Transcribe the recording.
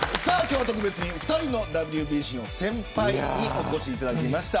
２人のＷＢＣの先輩にお越しいただきました。